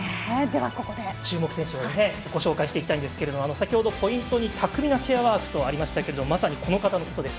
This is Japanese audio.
注目選手をご紹介していきたいと思いますけれどもポイントに巧みなチェアワークとありましたけどまさにこの方のことです。